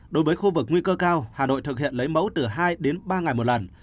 đối với khu vực nguy cơ cao hà nội thực hiện lấy mẫu từ hai đến ba ngày một lần